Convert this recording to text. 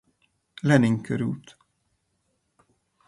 Lenin krt.